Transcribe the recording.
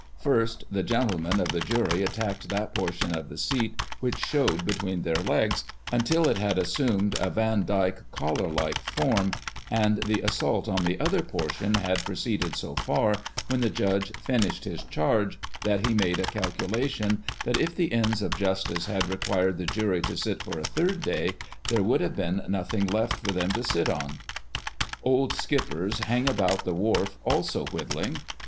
First the gentlemen of the jury attacked that portion of the seat which showed between their legs, until it had assumed a vandyke collar like form, and the assault on the other portion had proceeded so far when the judge finished his charge, that he made a calcu lation, that if the ends of justice had required the jury to sit for a third day there would have been nothing left for them to sit on. Old skippers hang about the wharf also whittling.